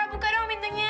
erya buka dong pintunya